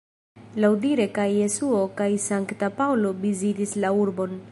Laŭdire kaj Jesuo kaj Sankta Paŭlo vizitis la urbon.